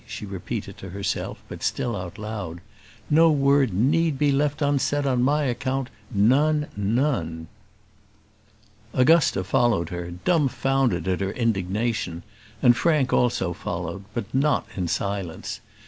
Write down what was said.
she repeated to herself, but still out loud. "No word need be left unsaid on my account; none, none." Augusta followed her, dumfounded at her indignation; and Frank also followed, but not in silence.